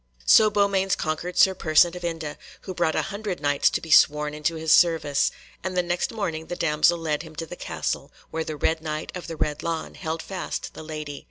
So Beaumains conquered Sir Persant of Inde, who brought a hundred Knights to be sworn into his service, and the next morning the damsel led him to the castle, where the Red Knight of the Red Lawn held fast the lady.